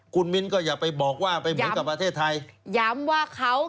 คุณมิ้นก็อย่าไปบอกว่าไปเหมือนกับประเทศไทยย้ำว่าเขา